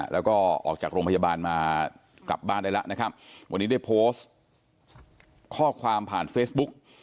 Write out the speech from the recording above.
แล้วก็ออกจากโรงพยาบาลมากลับบ้านได้แล้วนะครับวันนี้ได้โพสต์ข้อความผ่านเฟซบุ๊ก